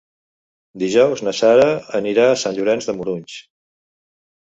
Dijous na Sara anirà a Sant Llorenç de Morunys.